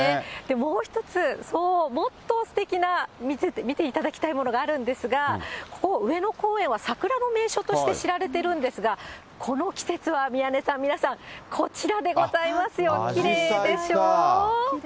もう一つ、もっとすてきな、見ていただきたいものがあるんですが、ここ、上野公園は桜の名所として知られてるんですが、この季節は宮根さん、皆さん、こちらでございますよ、きれいでしょ。